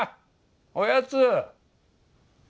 おやつ。